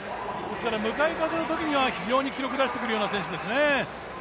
向かい風のときには非常に記録を出してくるような選手ですね。